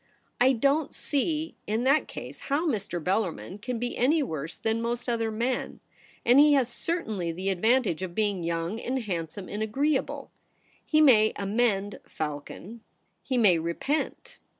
I don't see in that case how Mr. Bellarmin can be any worse than most other men ; and he has certainly the advantage of being young and handsome and agreeable. He may amend, Falcon. He may repent.